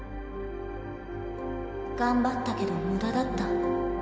頑張ったけど無駄だった。